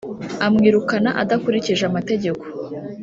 amwirukana adakurikije amategeko